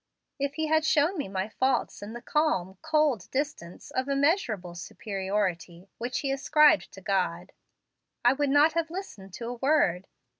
If he had shown me my faults in the calm, cold distance of immeasurable superiority which he ascribed to God, I would not have listened to a word.